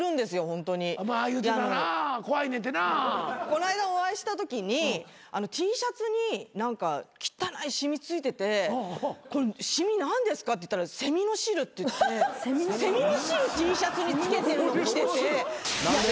こないだお会いしたときにＴシャツに汚い染み付いてて「染み何ですか？」って言ったら「セミの汁」って言ってセミの汁Ｔシャツに付けてるの着てて。